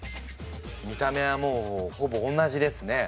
見た目はもうほぼ同じですね